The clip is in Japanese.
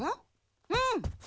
うん。